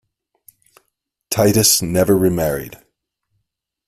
Titus never remarried.